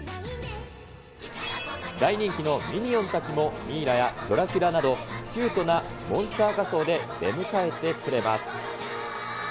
大人気のミニオンたちも、ミイラやドラキュラなど、キュートなモンスター仮装で出迎えてくれます。